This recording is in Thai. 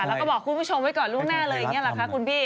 แล้วก็บอกคุณผู้ชมไว้ก่อนล่วงหน้าเลยอย่างนี้หรอคะคุณพี่